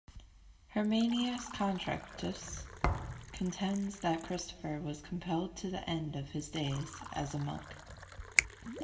Hermannus Contractus contends that Christopher was compelled to end his days as a monk.